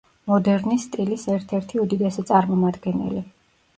მოდერნის სტილის ერთ-ერთი უდიდესი წამომადგენელი.